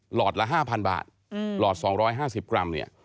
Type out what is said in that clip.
หลอดละ๕๐๐บาทหลอด๒๕๐กรัมเนี่ย